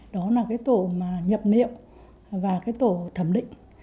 đó là tổ nhập niệm và tổ thẩm định